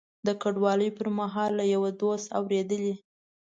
د کډوالۍ پر مهال له یوه دوست اورېدلي.